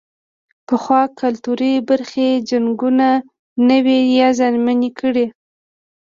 پخوا کلتوري برخې جنګونو نه وې زیانمنې کړې.